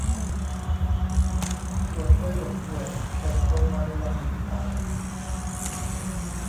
ส่วนฮวยบ่อข่วย เติบโตมาในวังบุปฝา